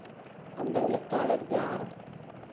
அந்த எழுத்தாளர் யார்?